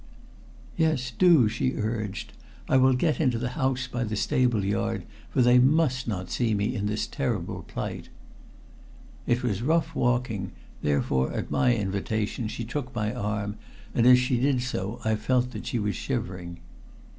"Yes, do," she urged. "I will get into the house by the stable yard, for they must not see me in this terrible plight." It was rough walking, therefore at my invitation she took my arm, and as she did so I felt that she was shivering.